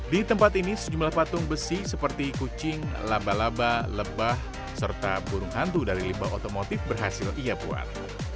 di tempat ini sejumlah patung besi seperti kucing laba laba lebah serta burung hantu dari limbah otomotif berhasil ia buat